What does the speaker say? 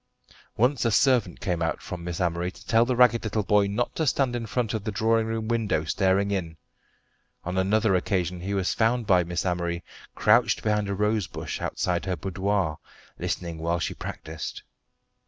Once a servant came out from Miss Amory to tell the ragged little boy not to stand in front of the drawing room window staring in. On another occasion he was found by Miss Amory crouched behind a rose bush outside her boudoir, listening whilst she practised.